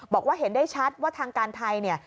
บอกว่าเห็นได้ชัดว่าทางการไทยเนี่ย